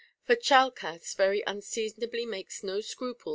For Chalcas very unseasonably makes no scru * II.